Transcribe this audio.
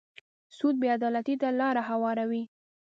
سود بې عدالتۍ ته لاره هواروي.